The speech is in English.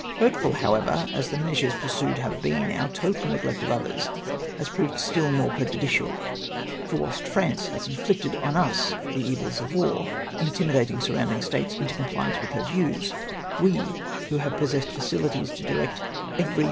" Hurtful, however, as the measures pursued have been, our total neglect of others has proved still more prejudicial; for whilst France has inflicted on us the evils of war, intimi dating surrounding states into compliance with her views, we, who have possessed facilities to direct every